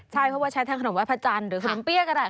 ใช่เพราะว่าใช้ทั้งขนมไห้พระจันทร์หรือขนมเปี้ยก็ได้